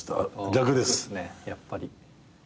逆っすねやっぱり。